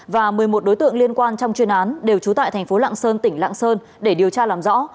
và một mươi một đối tượng liên quan trong chuyên án đều trú tại thành phố lạng sơn tỉnh lạng sơn để điều tra làm rõ